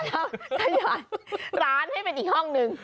เอาขยายร้านให้เป็นอีกห้องนึง